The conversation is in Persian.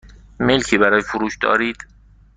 ملکی برای فروش دارید؟